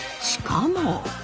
しかも。